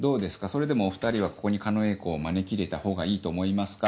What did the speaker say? それでもお２人はここに狩野英孝を招き入れたほうがいいと思いますか？